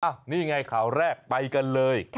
นี่ไงข่าวแรกไปกันเลย